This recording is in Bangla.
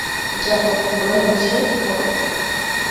যা করতে বলা হয়েছে কর।